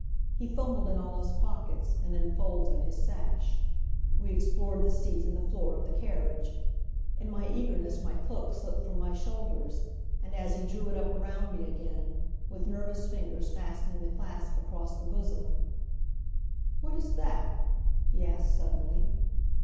He fumbled in all his pockets, and in the folds of his sash. We explored the seat and the floor of the carriage. In my eagerness my cloak slipped from my shoulders, and as he drew it up around me again, with nervous fingers fastening the clasps across the bosom, "What is that?" he asked suddenly.